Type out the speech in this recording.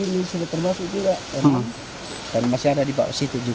ini sudah termasuk juga dan masih ada di bawah situ juga